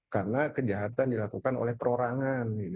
karena kejahatan dilakukan oleh perorangan